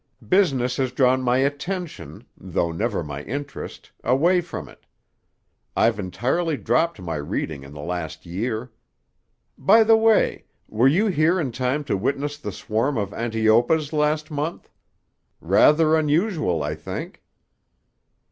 Business has drawn my attention, though never my interest, away from it. I've entirely dropped my reading in the last year. By the way, were you here in time to witness the swarm of antiopas last month? Rather unusual, I think."